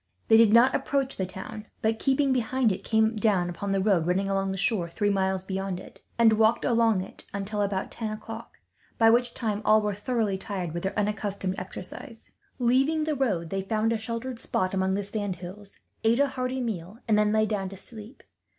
They did not approach the town but, keeping behind it, came down upon the road running along the shore, three miles beyond it; and walked along it until about ten o'clock, by which time all were thoroughly tired with their unaccustomed exercise. Leaving the road, they found a sheltered spot among the sand hills, ate a hearty meal, and then lay down to sleep.